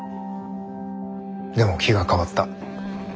でも気が変わった。